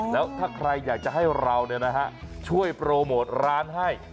แล้วถ้าใครอยากจะให้เราช่วยโปรโมทร้านให้